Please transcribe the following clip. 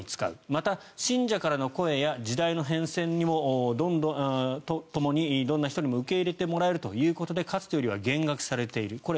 また信者からの声や時代の変遷とともにどんな人にも受け入れてもらえるということでかつてよりは減額されている。